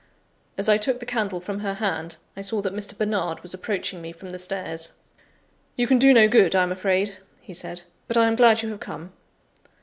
As I took the candle from her hand, I saw that Mr. Bernard was approaching me from the stairs. "You can do no good, I am afraid," he said, "but I am glad you have come."